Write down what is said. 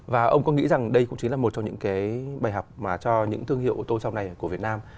và ông có nghĩ rằng đây cũng chính là một trong những cái bài học mà cho những thương hiệu ô tô sau này của việt nam